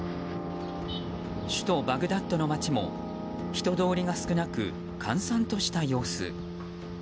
首都バグダッドの街も人通りが少なく閑散とした様子。